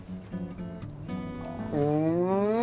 うん！